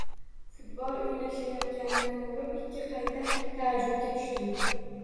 Futbol o‘ynashayotganini ko‘rib ikki qayta taajjubga tushdim.